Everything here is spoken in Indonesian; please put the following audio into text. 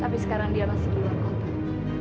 tapi sekarang dia masih di rumah